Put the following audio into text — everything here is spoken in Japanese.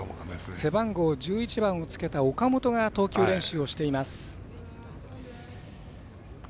背番号１１番を着けた岡本が投球練習をしています。